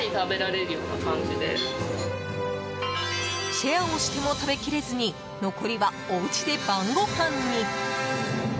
シェアをしても食べ切れずに残りは、おうちで晩ごはんに。